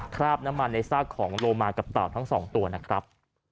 คราบน้ำมันในซากของโลมากับเต่าทั้งสองตัวนะครับ